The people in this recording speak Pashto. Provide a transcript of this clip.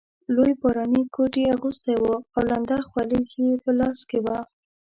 لوی باراني کوټ یې اغوستی وو او لنده خولۍ یې په لاس کې وه.